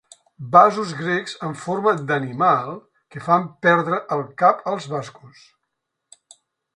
Vasos grecs en forma d'animal que fan perdre el cap als bascos.